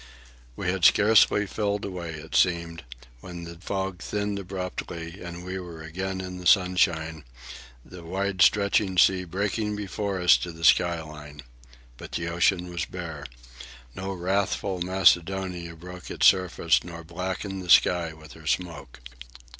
We had scarcely filled away, it seemed, when the fog thinned abruptly and we were again in the sunshine, the wide stretching sea breaking before us to the sky line. But the ocean was bare. No wrathful Macedonia broke its surface nor blackened the sky with her smoke.